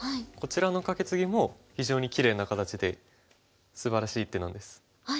こちらのカケツギも非常にきれいな形ですばらしい手なんです。